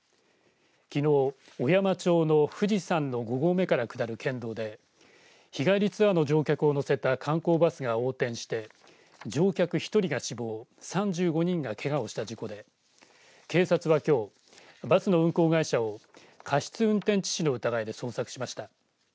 きのう、小山町の富士山の五合目から下る県道で日帰りツアーの乗客を乗せた観光バスが横転して乗客１人が死亡３５人が、けがをした事故で警察はきょうバスの運行会社を過失運転致死の疑いで捜索しました。